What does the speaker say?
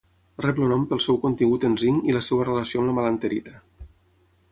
Rep el nom pel seu contingut en zinc i la seva relació amb la melanterita.